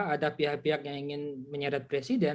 ada pihak pihak yang ingin menyeret presiden